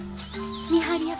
見張り役？